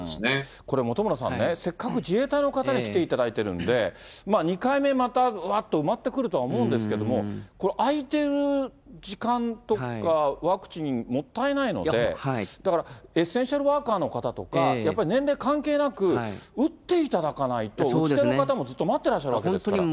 これ、本村さんね、せっかく自衛隊の方に来ていただいてるんで、２回目、またうわーっと埋まってくるとは思うんですけれども、これ、空いてる時間とか、ワクチンもったいないので、だからエッセンシャルワーカーの方とか、やっぱり年齢関係なく、打っていただかないと、打ち手の方も待ってらっしゃるんですから。